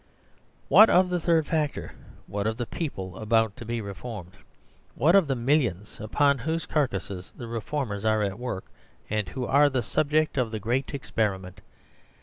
(3) What of the third factor ? What of the people about to be reformed ? What of the millions upon whose carcasses the reformers are at work, and who are the subject of the great experiment